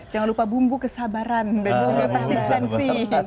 jangan lupa bumbu kesabaran dan bumbu persistensi